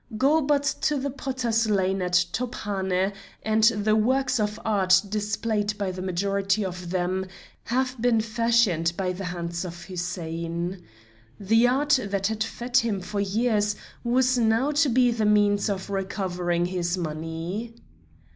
Go but to the potters' lane at Tophane, and the works of art displayed by the majority of them have been fashioned by the hands of Hussein. The art that had fed him for years was now to be the means of recovering his money.